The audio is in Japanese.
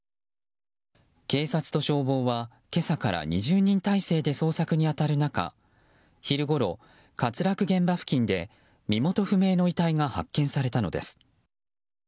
警察と消防は今朝から２０人態勢で捜索に当たる中昼ごろ、滑落現場付近で身元不明の遺体が発見されたのです。